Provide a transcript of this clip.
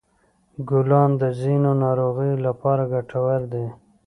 ګلان د ځینو ناروغیو لپاره ګټور دي.